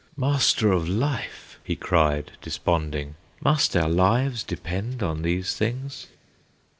"Master of Life!" he cried, desponding, "Must our lives depend on these things?"